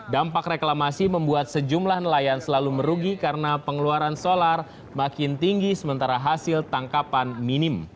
dampak reklamasi membuat sejumlah nelayan selalu merugi karena pengeluaran solar makin tinggi sementara hasil tangkapan minim